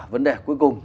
vấn đề cuối cùng